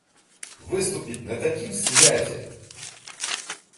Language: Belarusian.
Выступіць на такім свяце!